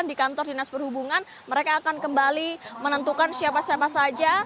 di kantor dinas perhubungan mereka akan kembali menentukan siapa siapa saja